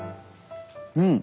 うん。